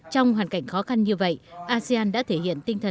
trong hoàn cảnh khó khăn như vậy asean đã thể hiện tinh thần